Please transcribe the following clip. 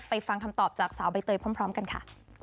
ฟังคำตอบจากสาวใบเตยพร้อมกันค่ะ